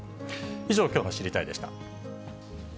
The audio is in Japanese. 以上、きょうの知りたいッ！でし